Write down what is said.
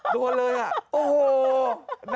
โดนเลยน่ะ